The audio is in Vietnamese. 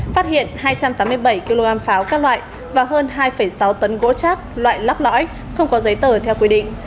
phát hiện hai trăm tám mươi bảy kg pháo các loại và hơn hai sáu tấn gỗ trác loại lắp lõi không có giấy tờ theo quy định